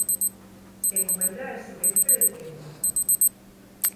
Se encuentra al sureste del Perú.